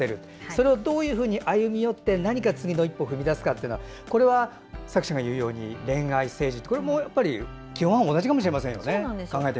それをどういうふうに歩み寄って何か次の一歩を踏み出すかはこれは作者が言うように恋愛、政治とこれは基本は同じかもしれないですね。